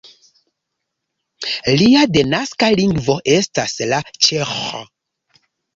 Lia denaska lingvo estas la ĉeĥa.